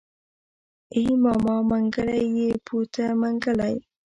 ای ماما منګلی يې بوته منګلی.